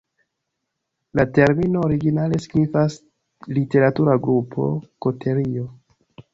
La termino originale signifas "literatura grupo","koterio".